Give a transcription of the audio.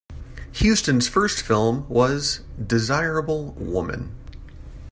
Huston's first film was "Desirable Woman".